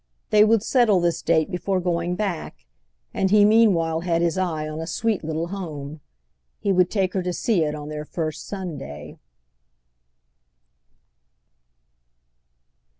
They would settle this date before going back, and he meanwhile had his eye on a sweet little home. He would take her to see it on their first Sunday.